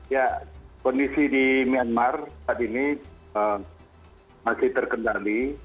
ya kondisi di myanmar saat ini masih terkendali